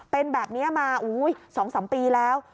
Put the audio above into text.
เป็นแบบนี้มา๒๓ปีแล้ว